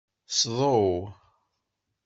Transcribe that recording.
Sḍew.